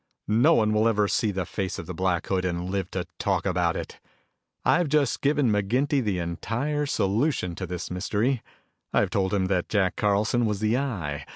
"No one will ever see the face of Black Hood and live to talk about it. I've just given McGinty the entire solution to this mystery. I've told him that Jack Carlson was the Eye.